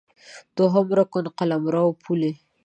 دوهم رکن قلمرو ، پولې